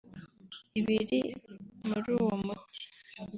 ibiri muri uwo muti